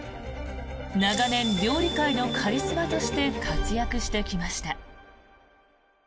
長年、料理界のカリスマとして活躍してきました。